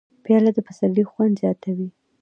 پیاله د پسرلي خوند زیاتوي.